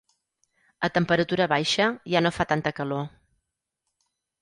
A temperatura baixa ja no fa tanta calor.